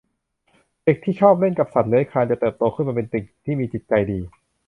เด็กที่ชอบเล่นกับสัตว์เลื้อยคลาน จะเติบโตขึ้นมาเป็นเด็กที่มีจิตใจดี